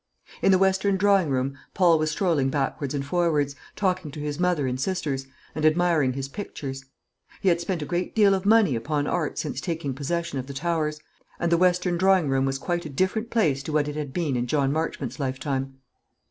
In the western drawing room Paul was strolling backwards and forwards, talking to his mother and sisters, and admiring his pictures. He had spent a great deal of money upon art since taking possession of the Towers, and the western drawing room was quite a different place to what it had been in John Marchmont's lifetime.